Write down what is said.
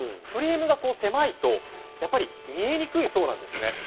フレームが狭いと見えにくいそうなんですね。